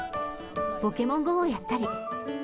ポケモンＧＯをやったり。